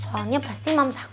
soalnya pasti mamsa aku gak enak